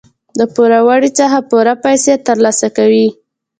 د پوروړي څخه پوره پیسې تر لاسه کوي.